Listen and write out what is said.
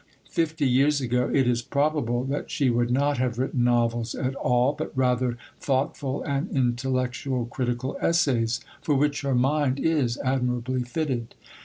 Fifty years ago it is probable that she would not have written novels at all, but rather thoughtful and intellectual critical essays, for which her mind is admirably fitted.